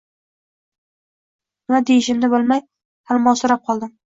Nima deyishimni bilmay talmovsirab qoldim.